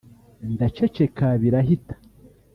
ndaceceka birahita